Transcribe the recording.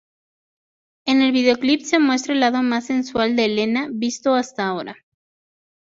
En el videoclip se muestra el lado más sensual de Helena visto hasta ahora.